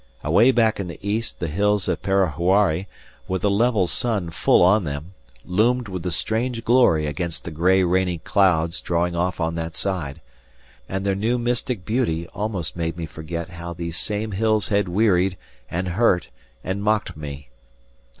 Away back in the east the hills of Parahuari, with the level sun full on them, loomed with a strange glory against the grey rainy clouds drawing off on that side, and their new mystic beauty almost made me forget how these same hills had wearied, and hurt, and mocked me.